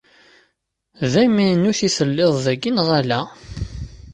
D amaynut i telliḍ dagi neɣ ala?